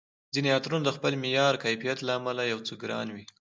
ځیني عطرونه د خپل معیار، کیفیت له امله یو څه ګران وي